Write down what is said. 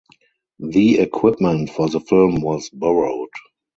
The equipment for the film was borrowed.